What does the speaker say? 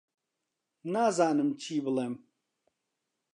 نازانم جێ بڵێم